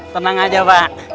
tenang aja bru